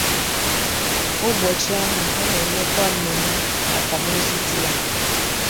Ụbọchị ahụ a na-emekwa mmemme akwamozu di ya